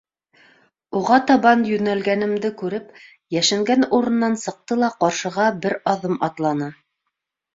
Уға табан йүнәлгәнемде күреп, йәшенгән урынынан сыҡты ла ҡаршыға бер аҙым атланы.